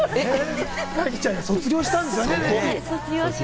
凪ちゃんが卒業したんだよね？